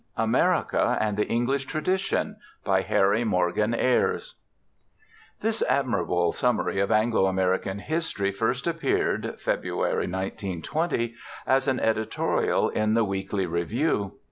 AMERICA AND THE ENGLISH TRADITION By HARRY MORGAN AYRES This admirable summary of Anglo American history first appeared (February, 1920) as an editorial in the Weekly Review.